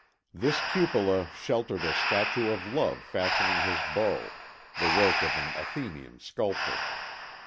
This cupola sheltered a statue of Love fashioning his bow, the work of an Athenian sculptor.